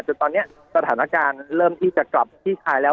จนตอนนี้สถานการณ์เริ่มที่จะกลับคลี่คลายแล้ว